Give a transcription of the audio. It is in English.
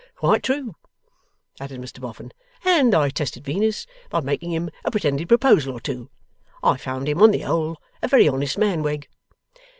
'Quite true,' added Mr Boffin; 'and I tested Venus by making him a pretended proposal or two; and I found him on the whole a very honest man, Wegg.